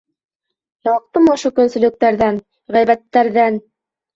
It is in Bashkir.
Ялҡтым ошо көнсөлдәрҙән, ғәйбәттәрҙән!